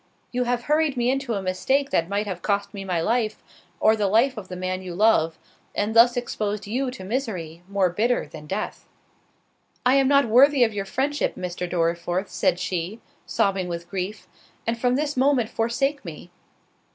You have hurried me into a mistake that might have cost me my life, or the life of the man you love; and thus exposed you to misery, more bitter than death." "I am not worthy of your friendship, Mr. Dorriforth," said she, sobbing with grief, "and from this moment forsake me."